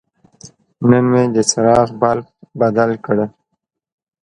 نن مې د څراغ بلب بدل کړ.